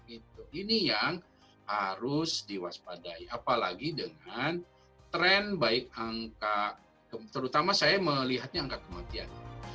ini yang harus diwaspadai apalagi dengan tren baik angka terutama saya melihatnya angka kematian